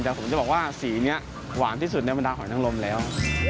แต่ผมจะบอกว่าสีนี้หวานที่สุดในบรรดาหอยนังลมแล้ว